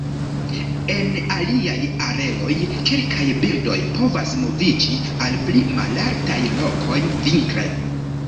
En aliaj areoj, kelkaj birdoj povas moviĝi al pli malaltaj lokoj vintre.